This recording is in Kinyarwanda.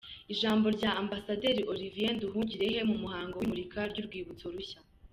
Ijambo rya Ambasaderi Olivier Nduhungirehe mu muhango w’imurikwa ry’urwibutso rushya:.